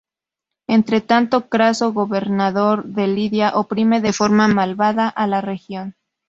Entre tanto, Craso, gobernador de Lidia, oprime de forma malvada a la región.